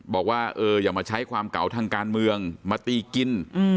บอกว่าอย่ามาใช้ความเก่าทางการเมืองมาตีกิน